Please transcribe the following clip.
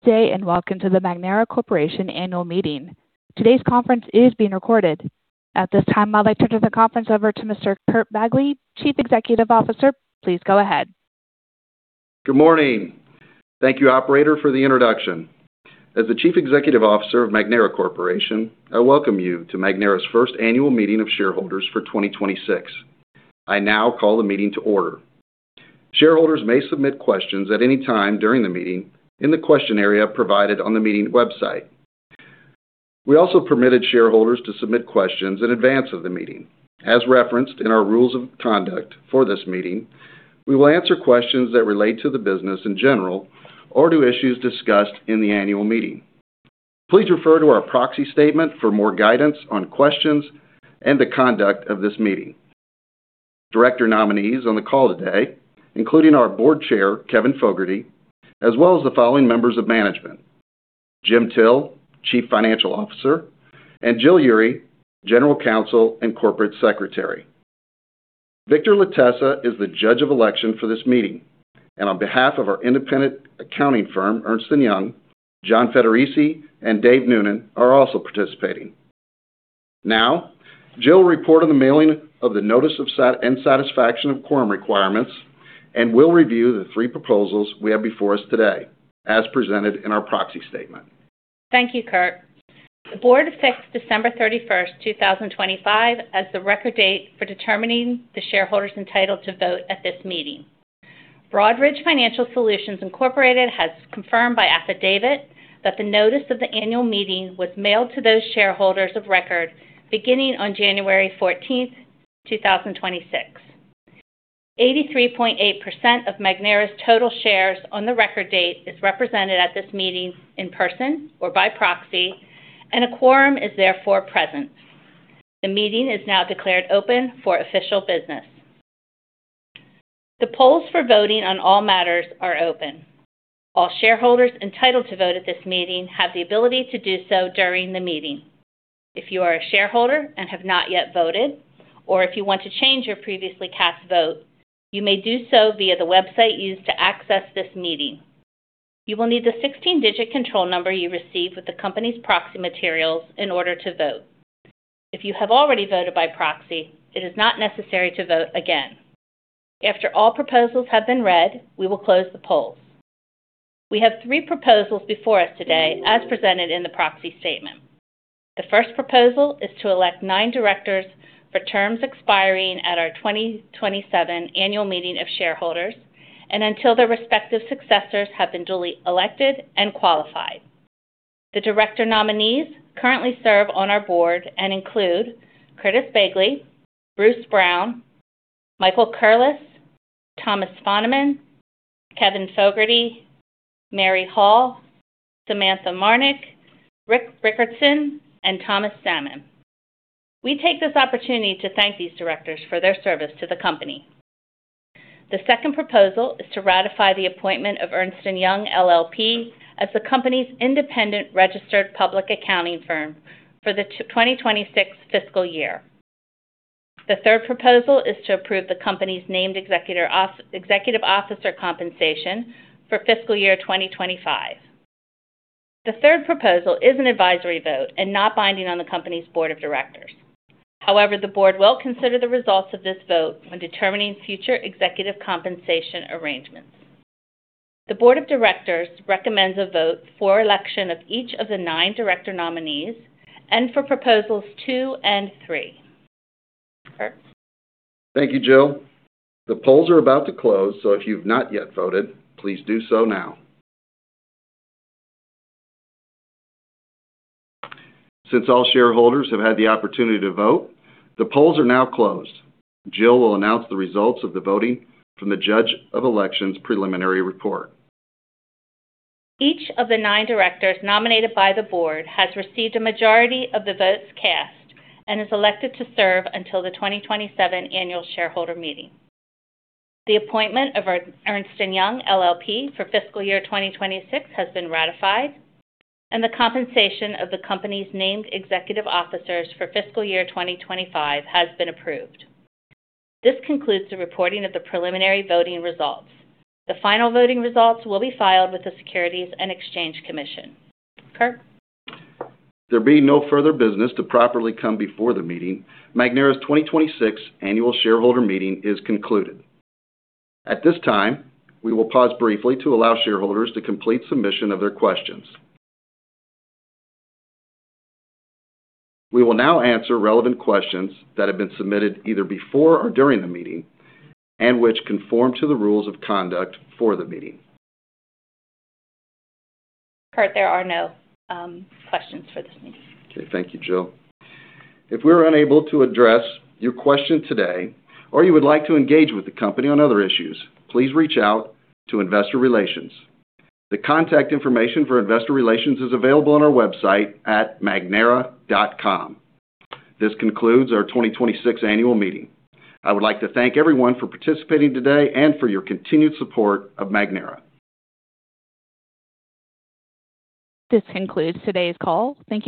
Day, welcome to the Magnera Corporation annual meeting. Today's conference is being recorded. At this time, I'd like to turn the conference over to Mr. Curt Begle, Chief Executive Officer. Please go ahead. Good morning. Thank you, operator, for the introduction. As the Chief Executive Officer of Magnera Corporation, I welcome you to Magnera's first annual meeting of shareholders for 2026. I now call the meeting to order. Shareholders may submit questions at any time during the meeting in the question area provided on the meeting website. We also permitted shareholders to submit questions in advance of the meeting. As referenced in our rules of conduct for this meeting, we will answer questions that relate to the business in general or to issues discussed in the annual meeting. Please refer to our proxy statement for more guidance on questions and the conduct of this meeting. Director nominees on the call today, including our Board Chair, Kevin Fogarty, as well as the following members of management: Jim Till, Chief Financial Officer, and Jill Urey, General Counsel and Corporate Secretary. Victor Latessa is the judge of election for this meeting. On behalf of our independent accounting firm, Ernst & Young, John Federici and Dave Noonan are also participating. Now, Jill will report on the mailing of the notice of and satisfaction of quorum requirements and will review the three proposals we have before us today, as presented in our proxy statement. Thank you, Curt. The board affects December 31st, 2025 as the record date for determining the shareholders entitled to vote at this meeting. Broadridge Financial Solutions Incorporated has confirmed by affidavit that the notice of the annual meeting was mailed to those shareholders of record beginning on January 14th, 2026. 83.8% of Magnera's total shares on the record date is represented at this meeting in person or by proxy, a quorum is therefore present. The meeting is now declared open for official business. The polls for voting on all matters are open. All shareholders entitled to vote at this meeting have the ability to do so during the meeting. If you are a shareholder and have not yet voted or if you want to change your previously cast vote, you may do so via the website used to access this meeting. You will need the 16-digit control number you received with the company's proxy materials in order to vote. If you have already voted by proxy, it is not necessary to vote again. After all proposals have been read, we will close the polls. We have three proposals before us today as presented in the proxy statement. The first proposal is to elect nine directors for terms expiring at our 2027 annual meeting of shareholders and until their respective successors have been duly elected and qualified. The director nominees currently serve on our board and include Curtis Begle, Bruce Brown, Michael Curless, Thomas Fahnemann, Kevin Fogarty, Mary Hall, Samantha Marnick, Rick Richardson, and Thomas Salmon. We take this opportunity to thank these directors for their service to the company. The second proposal is to ratify the appointment of Ernst & Young LLP as the company's independent registered public accounting firm for the 2026 fiscal year. The third proposal is to approve the company's named executive officer compensation for fiscal year 2025. The third proposal is an advisory vote and not binding on the company's board of directors. However, the board will consider the results of this vote when determining future executive compensation arrangements. The board of directors recommends a vote for election of each of the nine director nominees and for proposals two and three. Curt. Thank you, Jill. The polls are about to close, so if you've not yet voted, please do so now. Since all shareholders have had the opportunity to vote, the polls are now closed. Jill will announce the results of the voting from the Judge of Election's preliminary report. Each of the nine directors nominated by the board has received a majority of the votes cast and is elected to serve until the 2027 annual shareholder meeting. The appointment of Ernst & Young LLP for fiscal year 2026 has been ratified, and the compensation of the company's named executive officers for fiscal year 2025 has been approved. This concludes the reporting of the preliminary voting results. The final voting results will be filed with the Securities and Exchange Commission. Curt. There being no further business to properly come before the meeting, Magnera's 2026 annual shareholder meeting is concluded. At this time, we will pause briefly to allow shareholders to complete submission of their questions. We will now answer relevant questions that have been submitted either before or during the meeting and which conform to the rules of conduct for the meeting. Curt, there are no, questions for this meeting. Okay. Thank you, Jill. If we're unable to address your question today or you would like to engage with the company on other issues, please reach out to Investor Relations. The contact information for Investor Relations is available on our website at magnera.com. This concludes our 2026 annual meeting. I would like to thank everyone for participating today and for your continued support of Magnera. This concludes today's call. Thank you.